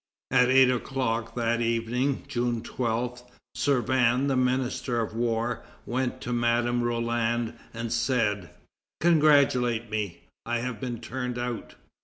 At eight o'clock that evening (June 12), Servan, the Minister of War, went to Madame Roland and said: "Congratulate me! I have been turned out."